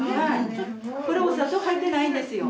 これお砂糖入ってないんですよ。